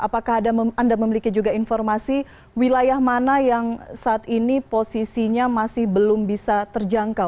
apakah anda memiliki juga informasi wilayah mana yang saat ini posisinya masih belum bisa terjangkau